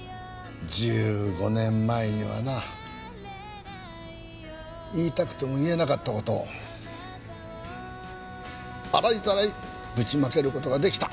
１５年前にはな言いたくても言えなかった事を洗いざらいぶちまける事が出来た。